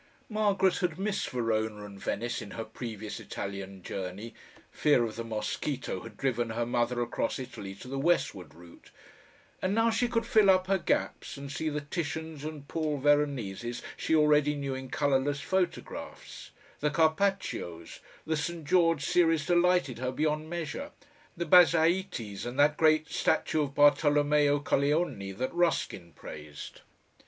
Margaret had missed Verona and Venice in her previous Italian journey fear of the mosquito had driven her mother across Italy to the westward route and now she could fill up her gaps and see the Titians and Paul Veroneses she already knew in colourless photographs, the Carpaccios, (the St. George series delighted her beyond measure,) the Basaitis and that great statue of Bartolomeo Colleoni that Ruskin praised.